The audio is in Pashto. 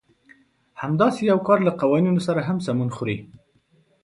همداسې يو کار له قوانينو سره هم سمون خوري.